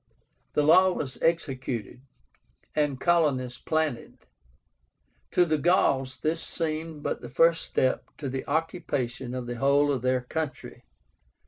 The law was executed, and colonies planted. To the Gauls this seemed but the first step to the occupation of the whole of their country.